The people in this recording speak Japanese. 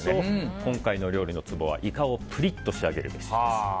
今回の料理のツボはイカをプリッと仕上げるべしです。